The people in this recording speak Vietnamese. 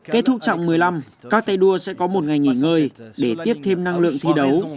kết thúc trạng một mươi năm các tay đua sẽ có một ngày nghỉ ngơi để tiếp thêm năng lượng thi đấu